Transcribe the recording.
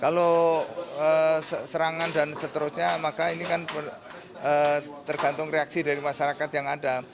kalau serangan dan seterusnya maka ini kan tergantung reaksi dari masyarakat yang ada